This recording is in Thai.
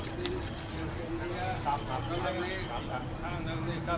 สวัสดีครับสวัสดีครับ